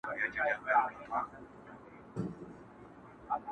په لكونو وه راغلي عالمونه!!